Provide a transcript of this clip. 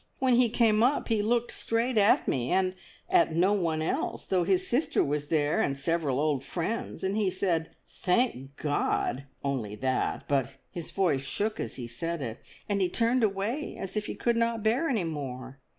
When he came up he looked straight at me, and at no one else, though his sister was there and several old friends, and he said, `_Thank God_!' Only that, but his voice shook as he said it, and he turned away, as if he could not bear any more.